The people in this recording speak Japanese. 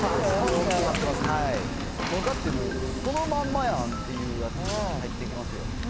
もうだってもう、そのまんまやんっていうやつ、入ってきますよ。